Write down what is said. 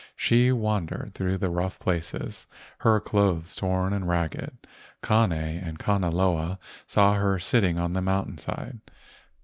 She wandered through the rough places, her clothes torn and ragged. Kane and Kanaloa saw her sitting on the mountain side.